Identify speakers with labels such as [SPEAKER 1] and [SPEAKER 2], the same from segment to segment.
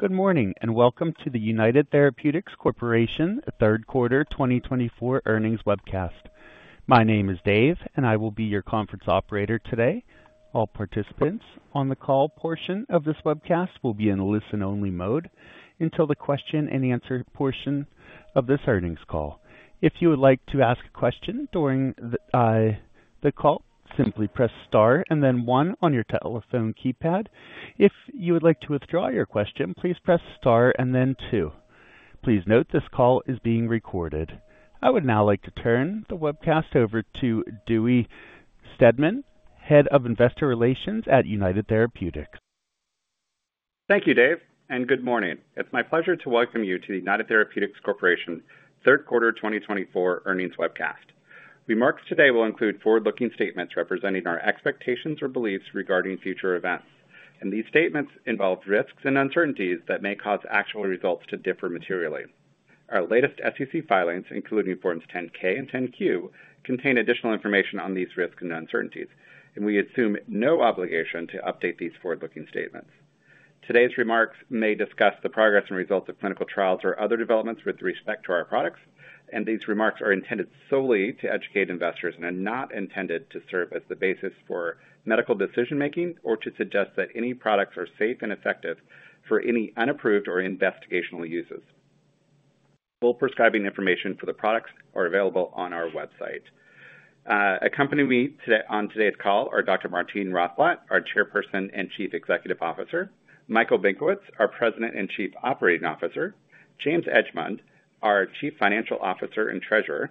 [SPEAKER 1] Good morning and welcome to the United Therapeutics Corporation third quarter 2024 earnings webcast. My name is Dave, and I will be your conference operator today. All participants on the call portion of this webcast will be in a listen-only mode until the question-and-answer portion of this earnings call. If you would like to ask a question during the call, simply press star and then one on your telephone keypad. If you would like to withdraw your question, please press star and then two. Please note this call is being recorded. I would now like to turn the webcast over to Dewey Steadman, Head of Investor Relations at United Therapeutics.
[SPEAKER 2] Thank you, Dave, and good morning. It's my pleasure to welcome you to the United Therapeutics Corporation third quarter 2024 earnings webcast. Today's remarks will include forward-looking statements representing our expectations or beliefs regarding future events. These statements involve risks and uncertainties that may cause actual results to differ materially. Our latest SEC filings, including Forms 10-K and 10-Q, contain additional information on these risks and uncertainties, and we assume no obligation to update these forward-looking statements. Today's remarks may discuss the progress and results of clinical trials or other developments with respect to our products, and these remarks are intended solely to educate investors and are not intended to serve as the basis for medical decision-making or to suggest that any products are safe and effective for any unapproved or investigational uses. Full prescribing information for the products is available on our website. Accompanying me on today's call are Dr. Martine Rothblatt, our Chairperson and Chief Executive Officer, Michael Benkowitz, our President and Chief Operating Officer, James Edgemond, our Chief Financial Officer and Treasurer,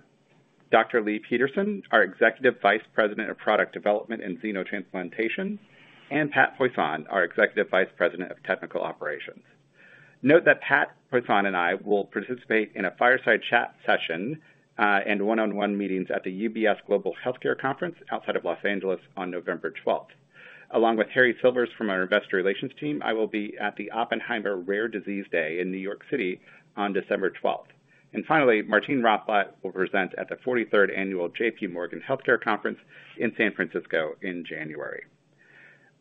[SPEAKER 2] Dr. Leigh Peterson, our Executive Vice President of Product Development and Xenotransplantation, and Pat Poisson, our Executive Vice President of Technical Operations. Note that Pat Poisson and I will participate in a fireside chat session and one-on-one meetings at the UBS Global Healthcare Conference outside of Los Angeles on November 12th. Along with Harry Silvers from our Investor Relations team, I will be at the Oppenheimer Rare Disease Day in New York City on December 12th. And finally, Martine Rothblatt will present at the 43rd Annual J.P. Morgan Healthcare Conference in San Francisco in January.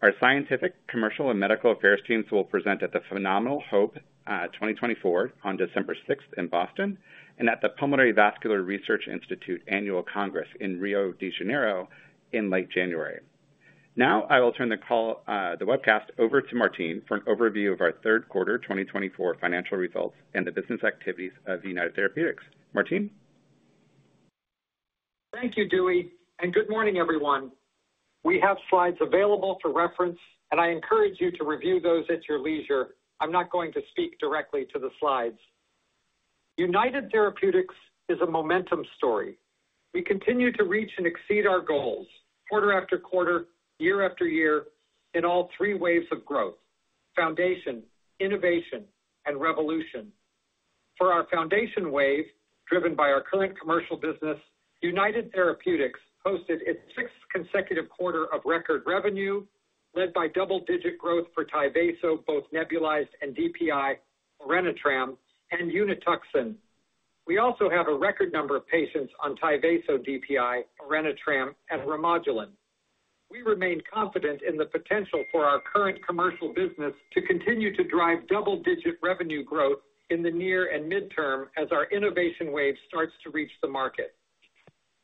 [SPEAKER 2] Our scientific, commercial, and medical affairs teams will present at the PHenomenal Hope 2024 on December 6th in Boston and at the Pulmonary Vascular Research Institute Annual Congress in Rio de Janeiro in late January. Now, I will turn the call, the webcast, over to Martine for an overview of our Third Quarter 2024 financial results and the business activities of United Therapeutics. Martine?
[SPEAKER 3] Thank you, Dewey, and good morning, everyone. We have slides available for reference, and I encourage you to review those at your leisure. I'm not going to speak directly to the slides. United Therapeutics is a momentum story. We continue to reach and exceed our goals quarter after quarter, year after year, in all three waves of growth: Foundation, Innovation, and Revolution. For our foundation wave, driven by our current commercial business, United Therapeutics posted its sixth consecutive quarter of record revenue, led by double-digit growth for Tyvaso, both nebulized and DPI, Orenitram, and Unituxin. We also have a record number of patients on Tyvaso, DPI, Orenitram, and Remodulin. We remain confident in the potential for our current commercial business to continue to drive double-digit revenue growth in the near and midterm as our innovation wave starts to reach the market.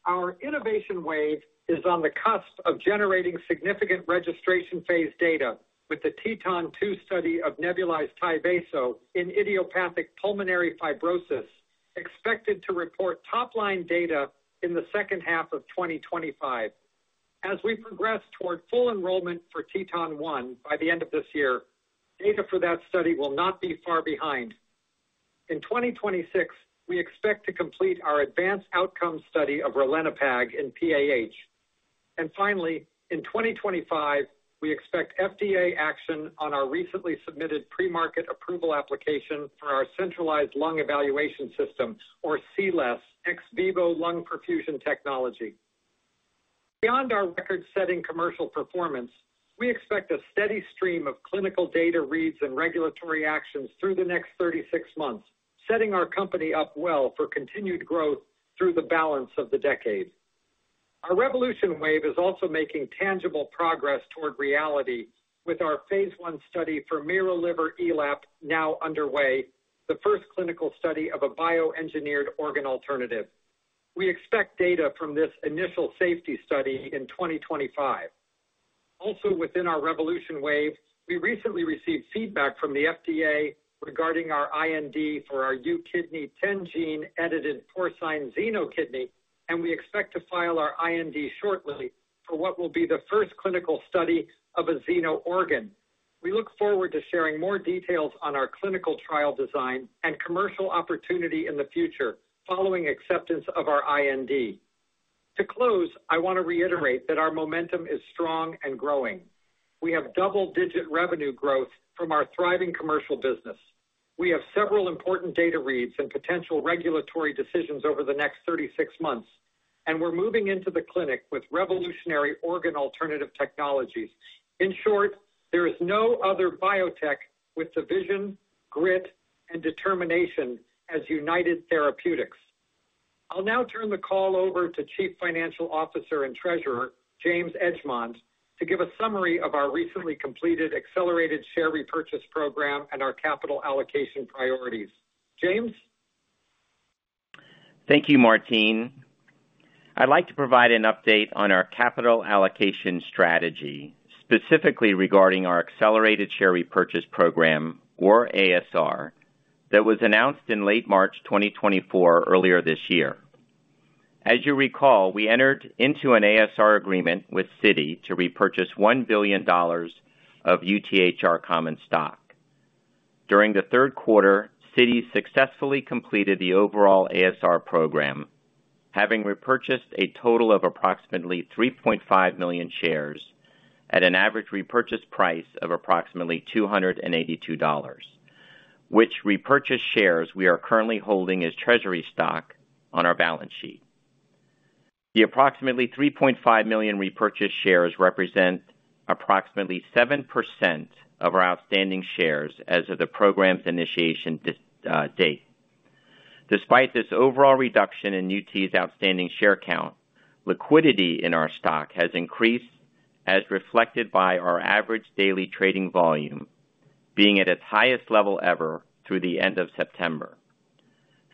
[SPEAKER 3] Our innovation wave is on the cusp of generating significant registration phase data with the TETON 2 study of nebulized Tyvaso in idiopathic pulmonary fibrosis, expected to report top-line data in the second half of 2025. As we progress toward full enrollment for TETON 1 by the end of this year, data for that study will not be far behind. In 2026, we expect to complete our advanced outcome study of ralinepag in PAH. And finally, in 2025, we expect FDA action on our recently submitted pre-market approval application for our centralized lung evaluation system, or CLES, ex-vivo lung perfusion technology. Beyond our record-setting commercial performance, we expect a steady stream of clinical data reads and regulatory actions through the next 36 months, setting our company up well for continued growth through the balance of the decade. Our revolution wave is also making tangible progress toward reality with our phase one study for miroliverELAP, now underway, the first clinical study of a bioengineered organ alternative. We expect data from this initial safety study in 2025. Also, within our revolution wave, we recently received feedback from the FDA regarding our IND for our UKidney10 gene-edited porcine xenokidney, and we expect to file our IND shortly for what will be the first clinical study of a xeno organ. We look forward to sharing more details on our clinical trial design and commercial opportunity in the future following acceptance of our IND. To close, I want to reiterate that our momentum is strong and growing. We have double-digit revenue growth from our thriving commercial business. We have several important data reads and potential regulatory decisions over the next 36 months, and we're moving into the clinic with revolutionary organ alternative technologies. In short, there is no other biotech with the vision, grit, and determination as United Therapeutics. I'll now turn the call over to Chief Financial Officer and Treasurer, James Edgemond, to give a summary of our recently completed accelerated share repurchase program and our capital allocation priorities. James?
[SPEAKER 4] Thank you, Martine. I'd like to provide an update on our capital allocation strategy, specifically regarding our accelerated share repurchase program, or ASR, that was announced in late March 2024 earlier this year. As you recall, we entered into an ASR agreement with Citi to repurchase $1 billion of UTHR common stock. During the third quarter, Citi successfully completed the overall ASR program, having repurchased a total of approximately 3.5 million shares at an average repurchase price of approximately $282, which repurchased shares we are currently holding as treasury stock on our balance sheet. The approximately 3.5 million repurchased shares represent approximately 7% of our outstanding shares as of the program's initiation date. Despite this overall reduction in UTHR's outstanding share count, liquidity in our stock has increased, as reflected by our average daily trading volume being at its highest level ever through the end of September.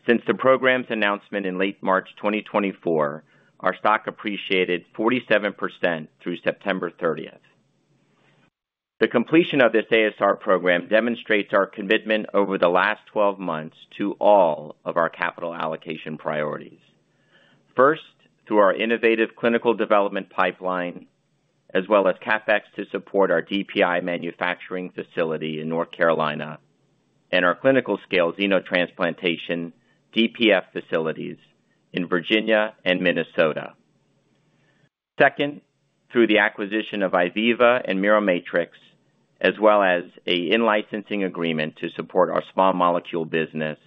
[SPEAKER 4] Since the program's announcement in late March 2024, our stock appreciated 47% through September 30th. The completion of this ASR program demonstrates our commitment over the last 12 months to all of our capital allocation priorities. First, through our innovative clinical development pipeline, as well as CapEx to support our DPI manufacturing facility in North Carolina and our clinical-scale xenotransplantation DPF facilities in Virginia and Minnesota. Second, through the acquisition of IVIVA and Miromatrix, as well as an in-licensing agreement to support our small molecule business,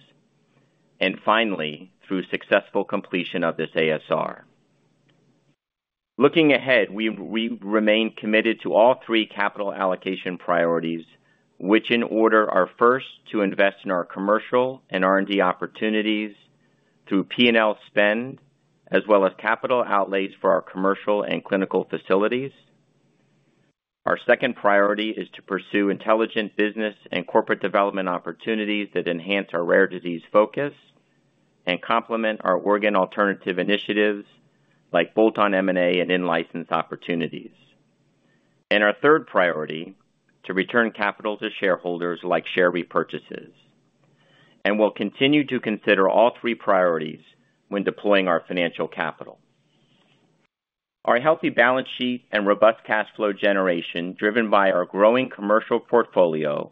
[SPEAKER 4] and finally, through successful completion of this ASR. Looking ahead, we remain committed to all three capital allocation priorities, which in order are first to invest in our commercial and R&D opportunities through P&L spend, as well as capital outlays for our commercial and clinical facilities. Our second priority is to pursue intelligent business and corporate development opportunities that enhance our rare disease focus and complement our organ alternative initiatives like bolt-on M&A and in-license opportunities. And our third priority is to return capital to shareholders like share repurchases. And we'll continue to consider all three priorities when deploying our financial capital. Our healthy balance sheet and robust cash flow generation, driven by our growing commercial portfolio,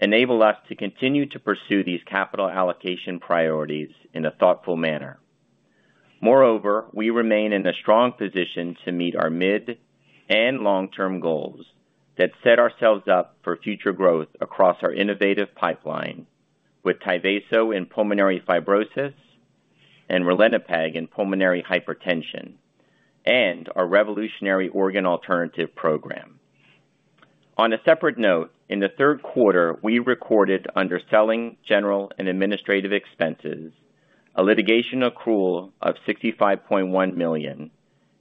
[SPEAKER 4] enable us to continue to pursue these capital allocation priorities in a thoughtful manner. Moreover, we remain in a strong position to meet our mid and long-term goals that set ourselves up for future growth across our innovative pipeline with Tyvaso in pulmonary fibrosis and ralinepag in pulmonary hypertension and our revolutionary organ alternative program. On a separate note, in the third quarter, we recorded under selling general and administrative expenses a litigation accrual of $65.1 million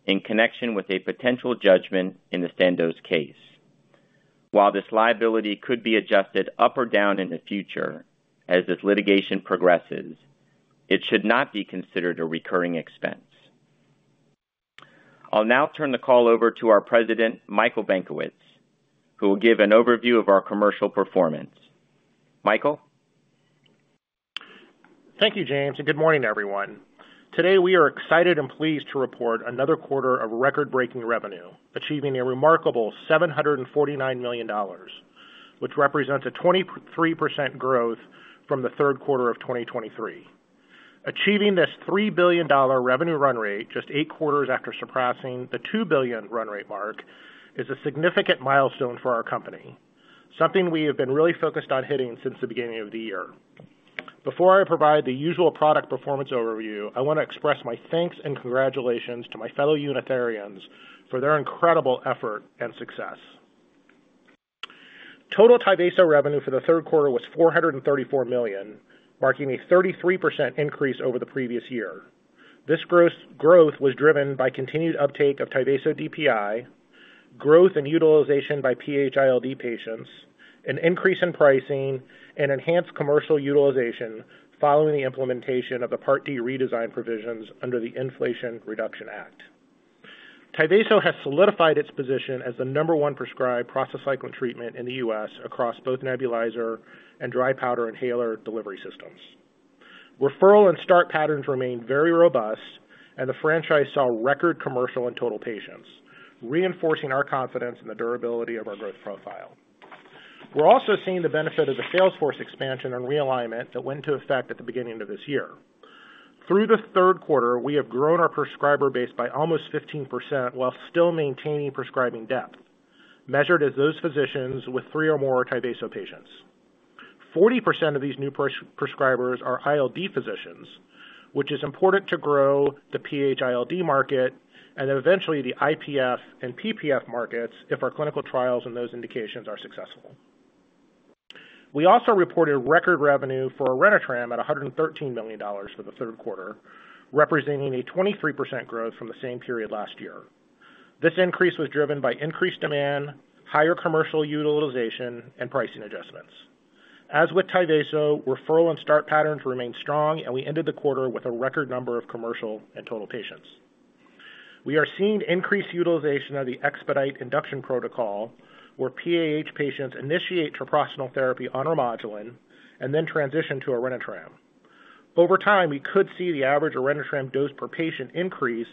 [SPEAKER 4] in connection with a potential judgment in the Sandoz case. While this liability could be adjusted up or down in the future as this litigation progresses, it should not be considered a recurring expense. I'll now turn the call over to our President, Michael Benkowitz, who will give an overview of our commercial performance. Michael.
[SPEAKER 5] Thank you, James, and good morning, everyone. Today, we are excited and pleased to report another quarter of record-breaking revenue, achieving a remarkable $749 million, which represents a 23% growth from the third quarter of 2023. Achieving this $3 billion revenue run rate, just eight quarters after surpassing the $2 billion run rate mark, is a significant milestone for our company, something we have been really focused on hitting since the beginning of the year. Before I provide the usual product performance overview, I want to express my thanks and congratulations to my fellow Unitarians for their incredible effort and success. Total Tyvaso revenue for the third quarter was $434 million, marking a 33% increase over the previous year. This growth was driven by continued uptake of Tyvaso DPI, growth in utilization by PH-ILD patients, an increase in pricing, and enhanced commercial utilization following the implementation of the Part D redesign provisions under the Inflation Reduction Act. Tyvaso has solidified its position as the number one prescribed prostacyclin treatment in the U.S. across both nebulizer and dry powder inhaler delivery systems. Referral and start patterns remain very robust, and the franchise saw record commercial and total patients, reinforcing our confidence in the durability of our growth profile. We're also seeing the benefit of the sales force expansion and realignment that went into effect at the beginning of this year. Through the third quarter, we have grown our prescriber base by almost 15% while still maintaining prescribing depth, measured as those physicians with three or more Tyvaso patients. 40% of these new prescribers are ILD physicians, which is important to grow the PH-ILD market and eventually the IPF and PPF markets if our clinical trials and those indications are successful. We also reported record revenue for Orenitram at $113 million for the third quarter, representing a 23% growth from the same period last year. This increase was driven by increased demand, higher commercial utilization, and pricing adjustments. As with Tyvaso, referral and start patterns remained strong, and we ended the quarter with a record number of commercial and total patients. We are seeing increased utilization of the EXPEDITE Induction protocol, where PAH patients initiate treprostinil therapy on Remodulin and then transition to Orenitram. Over time, we could see the average Orenitram dose per patient increase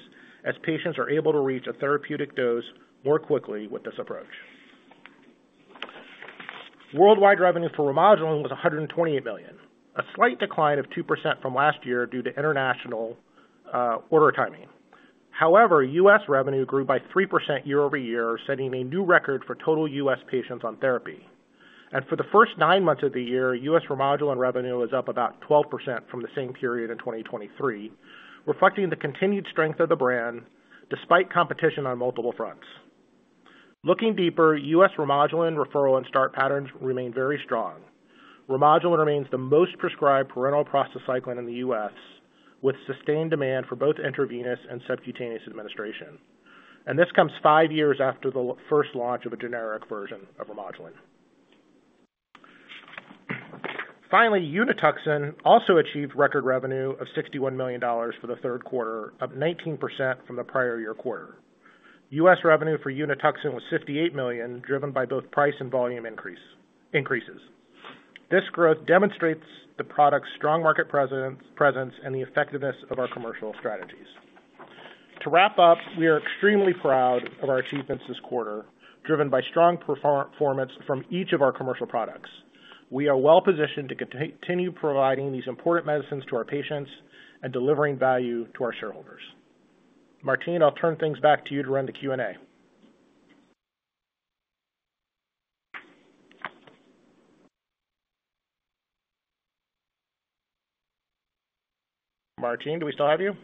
[SPEAKER 5] as patients are able to reach a therapeutic dose more quickly with this approach. Worldwide revenue for Remodulin was $128 million, a slight decline of 2% from last year due to international order timing. However, U.S. revenue grew by 3% year over year, setting a new record for total U.S. patients on therapy. And for the first nine months of the year, U.S. Remodulin revenue was up about 12% from the same period in 2023, reflecting the continued strength of the brand despite competition on multiple fronts. Looking deeper, U.S. Remodulin referral and start patterns remain very strong. Remodulin remains the most prescribed parenteral prostacyclin in the U.S., with sustained demand for both intravenous and subcutaneous administration. And this comes five years after the first launch of a generic version of Remodulin. Finally, Unituxin also achieved record revenue of $61 million for the third quarter, up 19% from the prior year quarter. U.S. Revenue for Unituxin was $58 million, driven by both price and volume increases. This growth demonstrates the product's strong market presence and the effectiveness of our commercial strategies. To wrap up, we are extremely proud of our achievements this quarter, driven by strong performance from each of our commercial products. We are well positioned to continue providing these important medicines to our patients and delivering value to our shareholders. Martine, I'll turn things back to you to run the Q&A. Martine, do we still have you?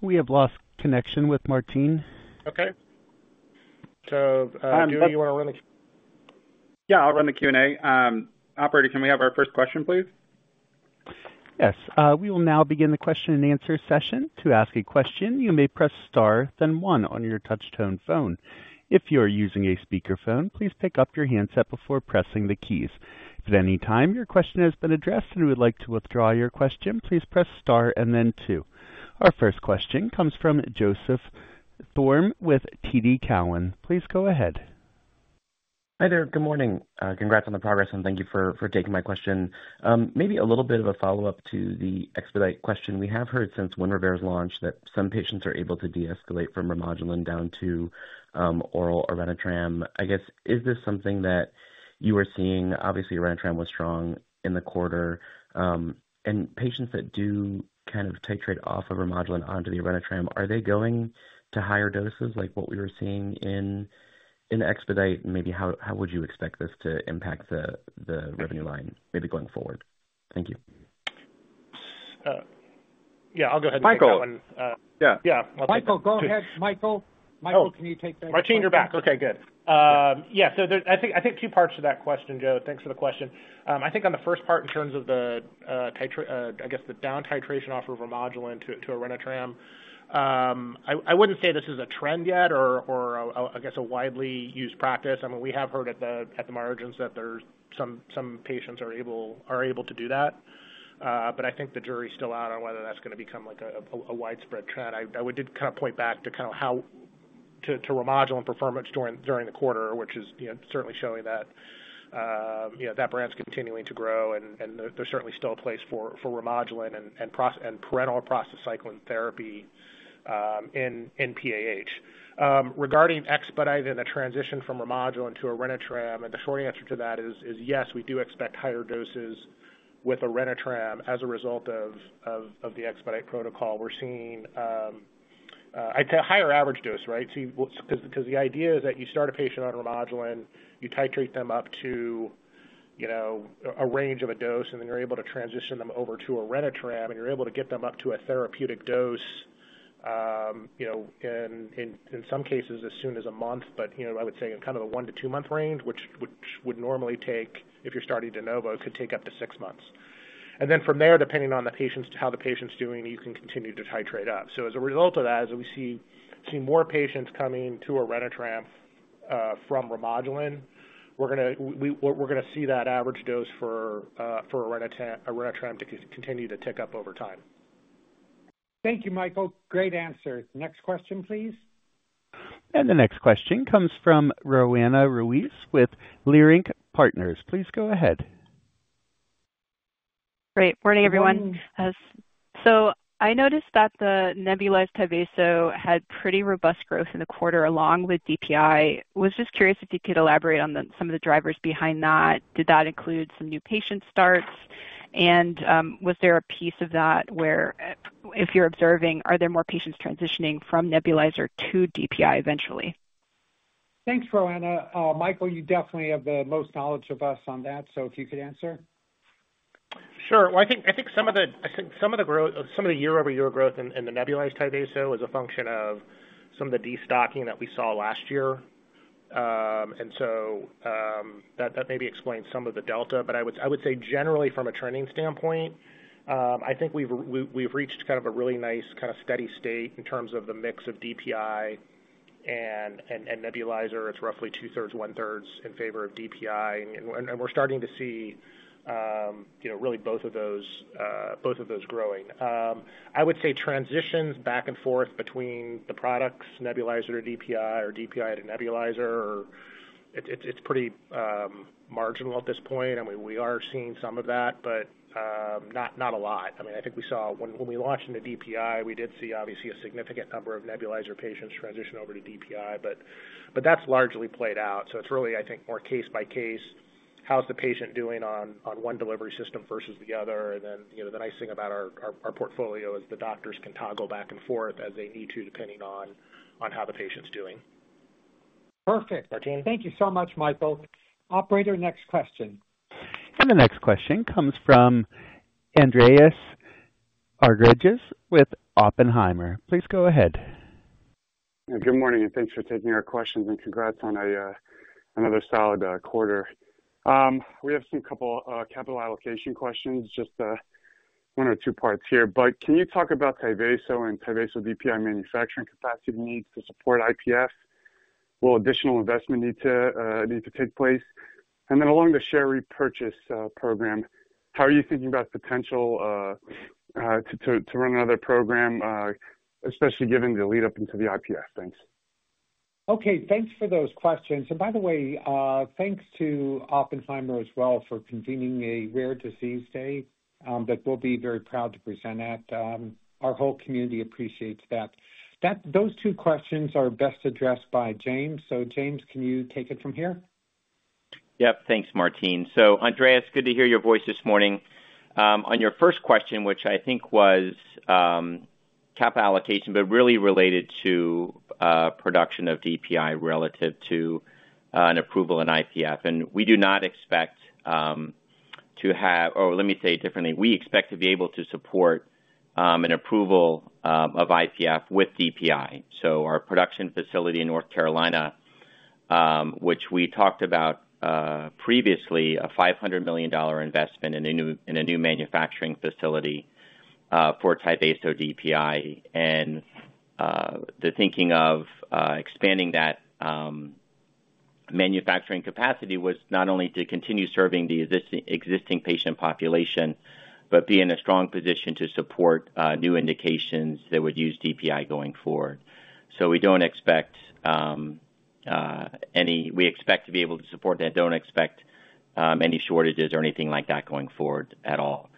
[SPEAKER 5] We have lost connection with Martine.
[SPEAKER 2] Okay, so do you want to run the Q&A?
[SPEAKER 5] Yeah, I'll run the Q&A. Operator, can we have our first question, please?
[SPEAKER 1] Yes. We will now begin the question and answer session. To ask a question, you may press star, then one on your touch-tone phone. If you are using a speakerphone, please pick up your handset before pressing the keys. If at any time your question has been addressed and you would like to withdraw your question, please press star and then two. Our first question comes from Joseph Thome with TD Cowen. Please go ahead.
[SPEAKER 6] Hi there. Good morning. Congrats on the progress, and thank you for taking my question. Maybe a little bit of a follow-up to the EXPEDITE question. We have heard since Winrevair's launch that some patients are able to de-escalate from Remodulin down to oral Orenitram. I guess, is this something that you are seeing? Obviously, Orenitram was strong in the quarter. And patients that do kind of titrate off of Remodulin onto the Orenitram, are they going to higher doses like what we were seeing in EXPEDITE? And maybe how would you expect this to impact the revenue line maybe going forward? Thank you.
[SPEAKER 5] Yeah, I'll go ahead and take that one.
[SPEAKER 3] Michael.
[SPEAKER 5] Yeah.
[SPEAKER 3] Yeah. Michael, go ahead. Michael, can you take that question?
[SPEAKER 5] Martine, you're back. Okay, good. Yeah, so I think two parts to that question, Joe. Thanks for the question. I think on the first part, in terms of the, I guess, the down titration of Remodulin to Orenitram, I wouldn't say this is a trend yet or, I guess, a widely used practice. I mean, we have heard at the margins that some patients are able to do that. But I think the jury's still out on whether that's going to become a widespread trend. I would kind of point back to kind of how Remodulin performance during the quarter, which is certainly showing that that brand's continuing to grow. And there's certainly still a place for Remodulin and parenteral prostacyclin therapy in PAH. Regarding EXPEDITE and the transition from Remodulin to Orenitram, the short answer to that is yes, we do expect higher doses with Orenitram as a result of the EXPEDITE protocol. We're seeing, I'd say, a higher average dose, right? Because the idea is that you start a patient on Remodulin, you titrate them up to a range of a dose, and then you're able to transition them over to Orenitram, and you're able to get them up to a therapeutic dose in some cases as soon as a month. But I would say in kind of the one to two-month range, which would normally take, if you're starting de novo, it could take up to six months, and then from there, depending on how the patient's doing, you can continue to titrate up. So as a result of that, as we see more patients coming to Orenitram from Remodulin, we're going to see that average dose for Orenitram continue to tick up over time.
[SPEAKER 3] Thank you, Michael. Great answer. Next question, please.
[SPEAKER 1] The next question comes from Roanna Ruiz with Leerink Partners. Please go ahead.
[SPEAKER 7] Good morning, everyone. So I noticed that the nebulized Tyvaso had pretty robust growth in the quarter along with DPI. I was just curious if you could elaborate on some of the drivers behind that. Did that include some new patient starts? And was there a piece of that where, if you're observing, are there more patients transitioning from nebulizer to DPI eventually?
[SPEAKER 3] Thanks, Rowena. Michael, you definitely have the most knowledge of us on that, so if you could answer.
[SPEAKER 5] Sure. Well, I think some of the year-over-year growth in the nebulized Tyvaso was a function of some of the destocking that we saw last year. And so that maybe explains some of the delta. But I would say, generally, from a trending standpoint, I think we've reached kind of a really nice kind of steady state in terms of the mix of DPI and nebulizer. It's roughly two-thirds, one-thirds in favor of DPI. And we're starting to see really both of those growing. I would say transitions back and forth between the products, nebulizer to DPI or DPI to nebulizer, it's pretty marginal at this point. I mean, we are seeing some of that, but not a lot. I mean, I think we saw when we launched into DPI, we did see, obviously, a significant number of nebulizer patients transition over to DPI. But that's largely played out. So it's really, I think, more case by case, how's the patient doing on one delivery system versus the other. And then the nice thing about our portfolio is the doctors can toggle back and forth as they need to, depending on how the patient's doing.
[SPEAKER 3] Perfect.
[SPEAKER 5] Martine.
[SPEAKER 3] Thank you so much, Michael. Operator, next question.
[SPEAKER 1] The next question comes from Andreas Argyrides with Oppenheimer. Please go ahead.
[SPEAKER 8] Good morning, and thanks for taking our questions. Congrats on another solid quarter. We have a couple of capital allocation questions, just one or two parts here. Can you talk about Tyvaso and Tyvaso DPI manufacturing capacity needs to support IPF? Will additional investment need to take place? Along the share repurchase program, how are you thinking about the potential to run another program, especially given the lead-up into the IPF? Thanks.
[SPEAKER 3] Okay. Thanks for those questions, and by the way, thanks to Oppenheimer as well for convening a Rare Disease Day that we'll be very proud to present at. Our whole community appreciates that. Those two questions are best addressed by James, so James, can you take it from here?
[SPEAKER 4] Yep. Thanks, Martine. So Andreas, good to hear your voice this morning. On your first question, which I think was capital allocation, but really related to production of DPI relative to an approval in IPF. And we do not expect to have, or let me say it differently, we expect to be able to support an approval of IPF with DPI. So our production facility in North Carolina, which we talked about previously, a $500 million investment in a new manufacturing facility for Tyvaso DPI. And the thinking of expanding that manufacturing capacity was not only to continue serving the existing patient population, but be in a strong position to support new indications that would use DPI going forward. So we don't expect any, we expect to be able to support that. Don't expect any shortages or anything like that going forward at all.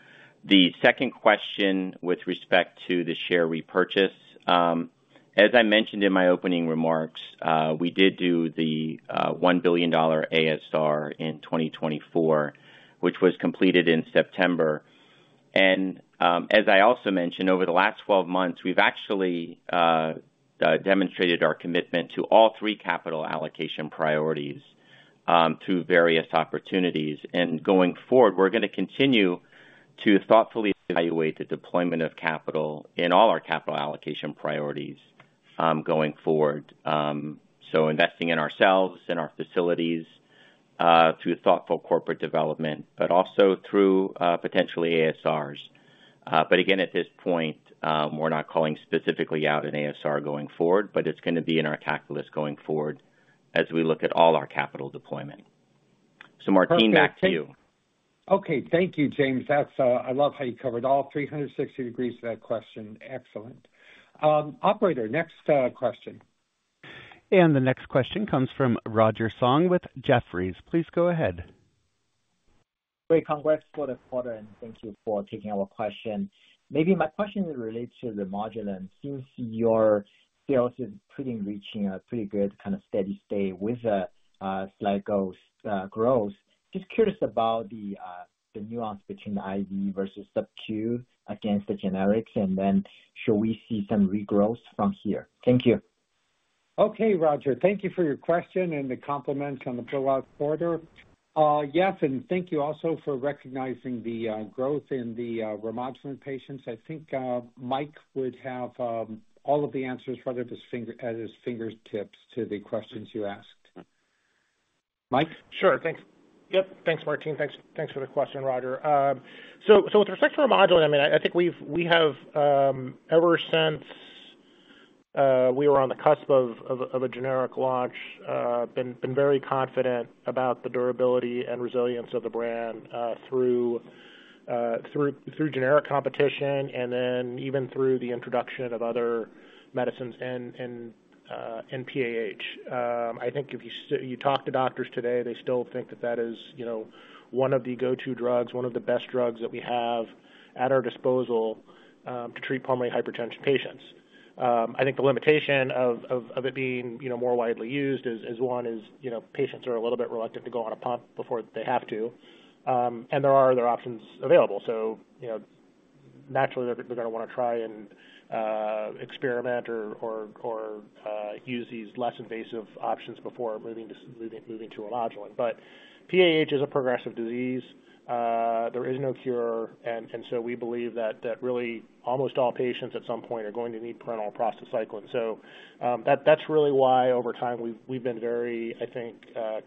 [SPEAKER 4] The second question with respect to the share repurchase, as I mentioned in my opening remarks, we did do the $1 billion ASR in 2024, which was completed in September, and as I also mentioned, over the last 12 months, we've actually demonstrated our commitment to all three capital allocation priorities through various opportunities, and going forward, we're going to continue to thoughtfully evaluate the deployment of capital in all our capital allocation priorities going forward, so investing in ourselves and our facilities through thoughtful corporate development, but also through potentially ASRs, but again, at this point, we're not calling specifically out an ASR going forward, but it's going to be in our calculus going forward as we look at all our capital deployment, so Martine, back to you.
[SPEAKER 3] Okay. Thank you, James. I love how you covered all 360 degrees of that question. Excellent. Operator, next question.
[SPEAKER 1] The next question comes from Roger Song with Jefferies. Please go ahead.
[SPEAKER 9] Great. Congrats for the quarter, and thank you for taking our question. Maybe my question relates to Remodulin. Since your sales is pretty reaching a pretty good kind of steady state with a slight growth, just curious about the nuance between IV versus subQ against the generics, and then should we see some regrowth from here? Thank you.
[SPEAKER 3] Okay, Roger. Thank you for your question and the compliments on the blowout quarter. Yes, and thank you also for recognizing the growth in the Remodulin patients. I think Mike would have all of the answers right at his fingertips to the questions you asked. Mike?
[SPEAKER 5] Sure. Thanks. Yep. Thanks, Martine. Thanks for the question, Roger. So with respect to Remodulin, I mean, I think we have, ever since we were on the cusp of a generic launch, been very confident about the durability and resilience of the brand through generic competition and then even through the introduction of other medicines and PAH. I think if you talk to doctors today, they still think that that is one of the go-to drugs, one of the best drugs that we have at our disposal to treat pulmonary hypertension patients. I think the limitation of it being more widely used is one is patients are a little bit reluctant to go on a pump before they have to. And there are other options available. So naturally, they're going to want to try and experiment or use these less invasive options before moving to Remodulin. PAH is a progressive disease. There is no cure. And so we believe that really almost all patients at some point are going to need parenteral prostacyclin. So that's really why, over time, we've been very, I think,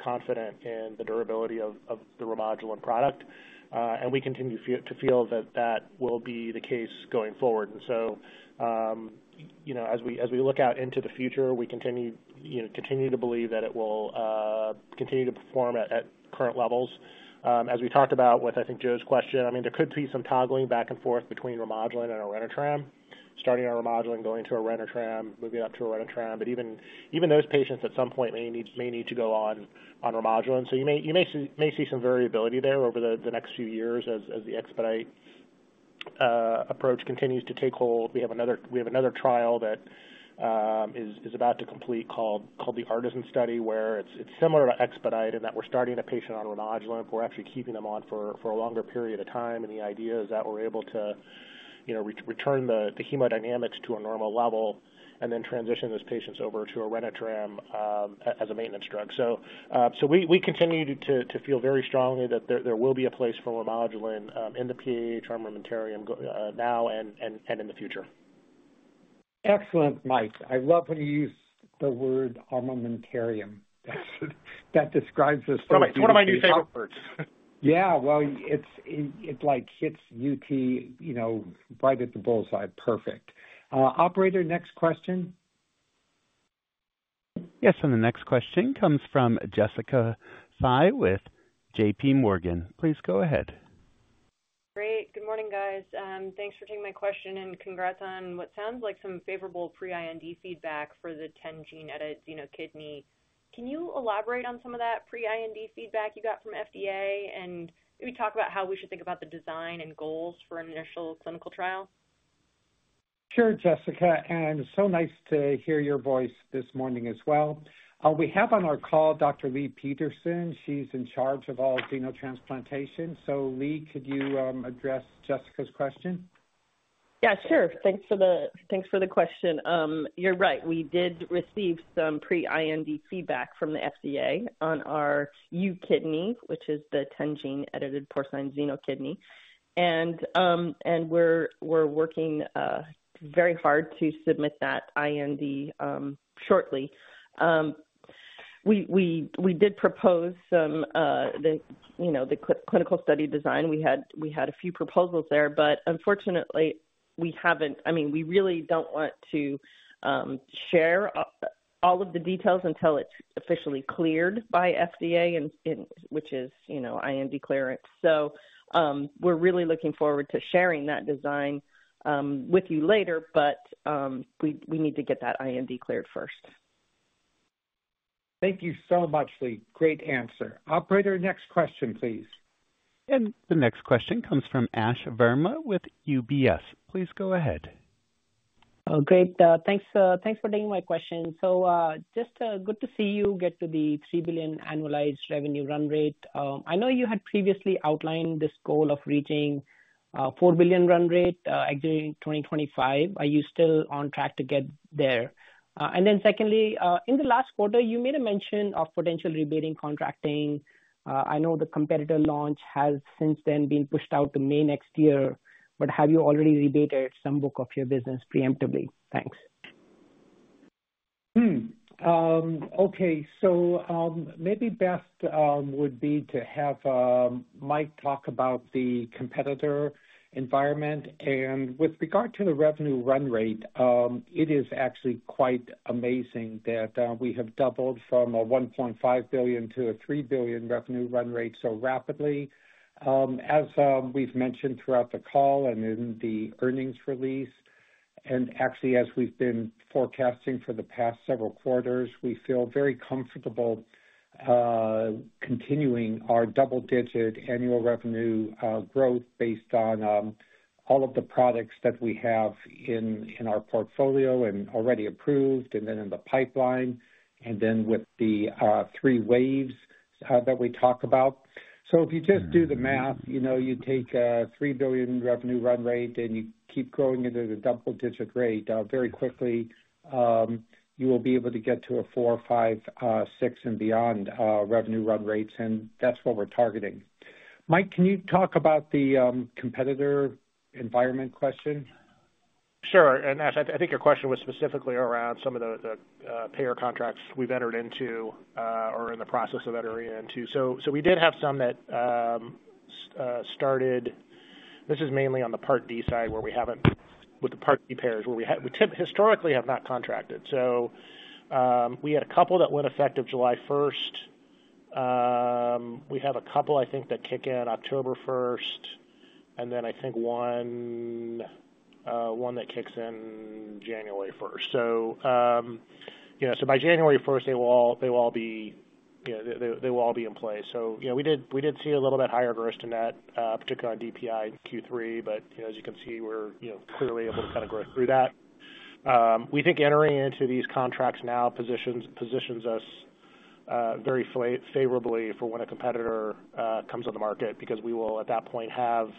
[SPEAKER 5] confident in the durability of the Remodulin product. And we continue to feel that that will be the case going forward. And so as we look out into the future, we continue to believe that it will continue to perform at current levels. As we talked about with, I think, Joe's question, I mean, there could be some toggling back and forth between Remodulin and Orenitram, starting on Remodulin, going to Orenitram, moving up to Orenitram, but even those patients at some point may need to go on Remodulin. So you may see some variability there over the next few years as the EXPEDITE approach continues to take hold. We have another trial that is about to complete called the ARTISAN Study, where it's similar to EXPEDITE in that we're starting a patient on Remodulin. We're actually keeping them on for a longer period of time, and the idea is that we're able to return the hemodynamics to a normal level and then transition those patients over to Orenitram as a maintenance drug, so we continue to feel very strongly that there will be a place for Remodulin in the PAH armamentarium now and in the future.
[SPEAKER 3] Excellent, Mike. I love when you use the word armamentarium. That describes us.
[SPEAKER 5] It's one of my new favorite words.
[SPEAKER 3] Yeah. Well, it hits UT right at the bullseye. Perfect. Operator, next question.
[SPEAKER 1] Yes, and the next question comes from Jessica Fye with JPMorgan. Please go ahead.
[SPEAKER 10] Great. Good morning, guys. Thanks for taking my question. And congrats on what sounds like some favorable pre-IND feedback for the 10-gene edited kidney. Can you elaborate on some of that pre-IND feedback you got from FDA? And maybe talk about how we should think about the design and goals for an initial clinical trial.
[SPEAKER 3] Sure, Jessica, and so nice to hear your voice this morning as well. We have on our call Dr. Leigh Peterson. She's in charge of all xenotransplantation, so Leigh, could you address Jessica's question?
[SPEAKER 11] Yeah, sure. Thanks for the question. You're right. We did receive some pre-IND feedback from the FDA on our UKidney, which is the 10-gene edited porcine xenokidney. And we're working very hard to submit that IND shortly. We did propose the clinical study design. We had a few proposals there. But unfortunately, we haven't—I mean, we really don't want to share all of the details until it's officially cleared by FDA, which is IND clearance. So we're really looking forward to sharing that design with you later, but we need to get that IND cleared first.
[SPEAKER 3] Thank you so much, Leigh. Great answer. Operator, next question, please.
[SPEAKER 1] The next question comes from Ash Verma with UBS. Please go ahead.
[SPEAKER 12] Oh, great. Thanks for taking my question. So just good to see you get to the $3 billion annualized revenue run rate. I know you had previously outlined this goal of reaching $4 billion run rate in 2025. Are you still on track to get there? And then secondly, in the last quarter, you made a mention of potential rebating contracting. I know the competitor launch has since then been pushed out to May next year. But have you already rebated some book of your business preemptively? Thanks.
[SPEAKER 3] Okay. So maybe best would be to have Mike talk about the competitor environment. And with regard to the revenue run rate, it is actually quite amazing that we have doubled from a $1.5 billion to a $3 billion revenue run rate so rapidly. As we've mentioned throughout the call and in the earnings release, and actually as we've been forecasting for the past several quarters, we feel very comfortable continuing our double-digit annual revenue growth based on all of the products that we have in our portfolio and already approved and then in the pipeline and then with the three waves that we talk about. So if you just do the math, you take a $3 billion revenue run rate and you keep growing into the double-digit rate very quickly, you will be able to get to a $4 billion, $5 billion, $6 billion, and beyond revenue run rates. And that's what we're targeting. Mike, can you talk about the competitor environment question?
[SPEAKER 5] Sure. And Ash, I think your question was specifically around some of the payer contracts we've entered into or in the process of entering into. So we did have some that started. This is mainly on the Part D side where we haven't with the Part D payers where we historically have not contracted. So we had a couple that went effective July 1st. We have a couple, I think, that kick in October 1st. And then I think one that kicks in January 1st. So by January 1st, they will all be in place. So we did see a little bit higher gross to net, particularly on DPI Q3. But as you can see, we're clearly able to kind of grow through that. We think entering into these contracts now positions us very favorably for when a competitor comes on the market because we will at that point have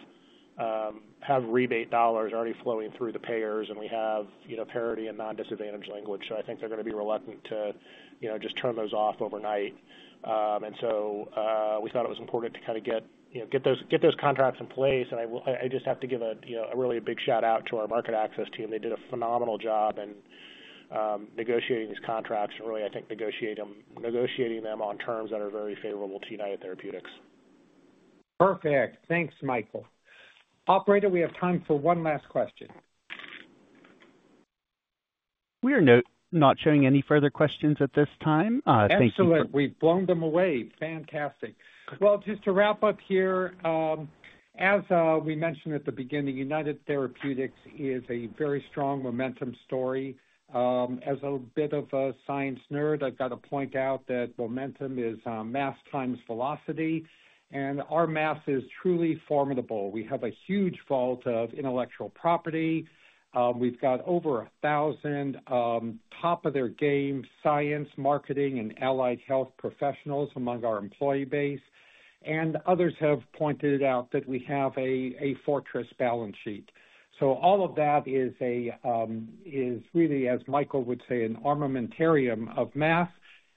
[SPEAKER 5] rebate dollars already flowing through the payers and we have parity and non-disadvantage language, so I think they're going to be reluctant to just turn those off overnight, and so we thought it was important to kind of get those contracts in place, and I just have to give a really big shout out to our market access team. They did a phenomenal job in negotiating these contracts and really, I think, negotiating them on terms that are very favorable to United Therapeutics.
[SPEAKER 3] Perfect. Thanks, Michael. Operator, we have time for one last question.
[SPEAKER 1] We are not showing any further questions at this time. Thank you.
[SPEAKER 3] Excellent. We've blown them away. Fantastic. Well, just to wrap up here, as we mentioned at the beginning, United Therapeutics is a very strong momentum story. As a bit of a science nerd, I've got to point out that momentum is mass times velocity. And our mass is truly formidable. We have a huge vault of intellectual property. We've got over 1,000 top-of-their-game science, marketing, and allied health professionals among our employee base. And others have pointed out that we have a fortress balance sheet. So all of that is really, as Michael would say, an armamentarium of mass.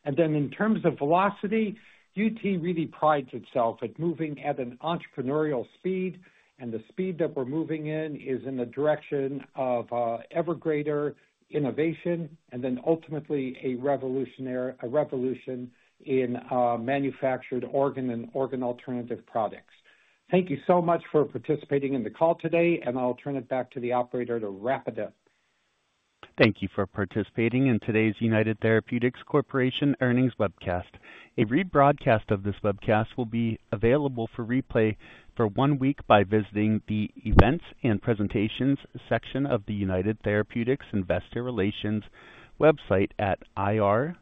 [SPEAKER 3] And then in terms of velocity, UT really prides itself at moving at an entrepreneurial speed. And the speed that we're moving in is in the direction of ever greater innovation and then ultimately a revolution in manufactured organ and organ alternative products. Thank you so much for participating in the call today. I'll turn it back to the operator to wrap it up.
[SPEAKER 1] Thank you for participating in today's United Therapeutics Corporation Earnings Webcast. A rebroadcast of this webcast will be available for replay for one week by visiting the events and presentations section of the United Therapeutics Investor Relations website at ir.unither.com.